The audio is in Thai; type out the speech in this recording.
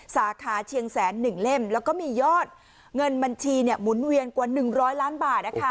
สาขาเชียงแสน๑เล่มแล้วก็มียอดเงินบัญชีหมุนเวียนกว่า๑๐๐ล้านบาท